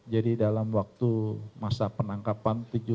jadi dalam waktu masa penangkapan tujuh hari